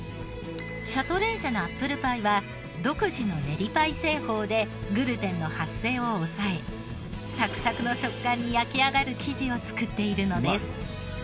シャトレーゼのアップルパイは独自の練りパイ製法でグルテンの発生を抑えサクサクの食感に焼き上がる生地を作っているのです。